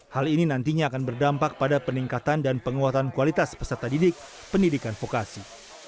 hal ini nantinya akan berdampak pada peningkatan dan penguatan kualitas peserta didik pendidikan vokasi